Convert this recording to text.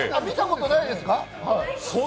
見たことないですか。